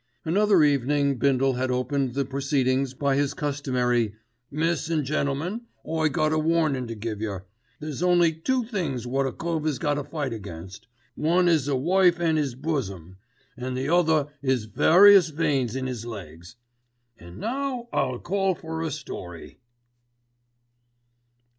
Another evening Bindle had opened the proceedings by his customary "Miss an' gentlemen, I got a warnin' to give yer. There's only two things wot a cove 'as got to fight against, one is a wife in 'is bosom, an' the other is various veins in 'is legs. An' now I'll call for the story."